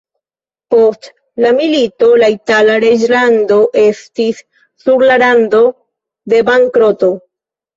Post la milito la itala reĝlando estis sur la rando de bankroto.